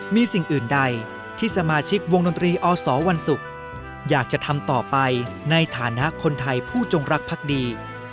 มีสิ่งอื่นใดที่สมาชิกวงดนตรีอสวันศุกร์อยากจะทำต่อไปในฐานะคนไทยผู้จงรักพักดี